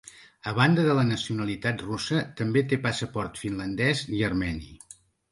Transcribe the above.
A banda de la nacionalitat russa, també té passaport finlandès i armeni.